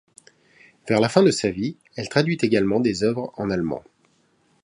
Vers la fin de sa vie, elle traduit également des œuvres en allemand.